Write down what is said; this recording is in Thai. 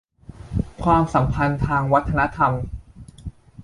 ความสัมพันธ์ทางวัฒนธรรม